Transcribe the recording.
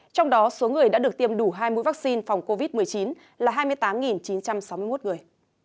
trong đó số người đã được tiêm đủ hai mũi vaccine phòng covid một mươi chín là hai mươi tám chín trăm sáu mươi một người